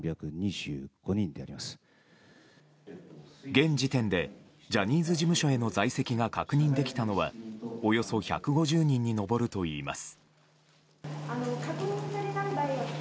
現時点でジャニーズ事務所への在籍が確認できたのはおよそ１５０人に上るといいます。